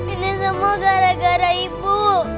ini semua gara gara ibu